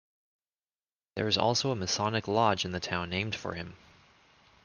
There is also a Masonic lodge in the town named for him.